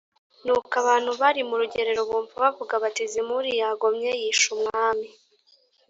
Nuko abantu bari mu rugerero bumva bavuga bati “Zimuri yagomye yishe umwami”